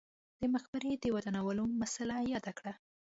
د مقبرې د ودانولو مسئله یاده کړه.